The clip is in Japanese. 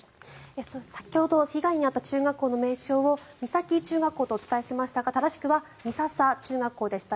先ほど被害に遭った中学校の名称をミサキ中学校とお伝えしましたが正しくはミササ中学校でした。